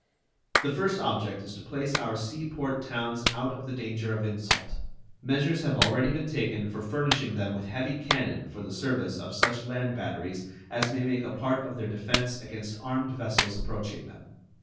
The first object is to place our sea port towns out of the danger of insult. Measures have been already taken for furnishing them with heavy cannon for the service of such land batteries as may make a part of their defense against armed vessels approaching them.